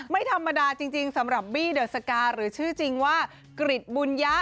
ไม่ธรรมดาจริงสำหรับบี้เดอร์สกาหรือชื่อจริงว่ากริจบุญยะ